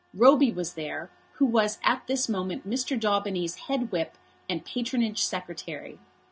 Roby was there, who was at this moment Mr. Daubeny's head whip and patronage secretary.